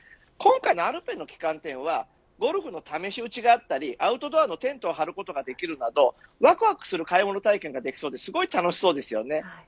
今回のアルペンの旗艦店はゴルフの試し打ちがあったりアウトドアのテントを張ることができるなどわくわくする買い物体験ができそうですごく楽しそうです。